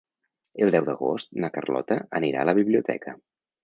El deu d'agost na Carlota anirà a la biblioteca.